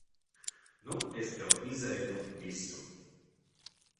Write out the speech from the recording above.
Nu es tev izēdu visu.